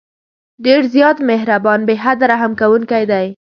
ډېر زیات مهربان، بې حده رحم كوونكى دى.